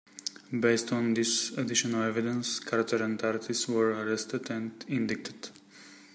Based on this additional evidence, Carter and Artis were arrested and indicted.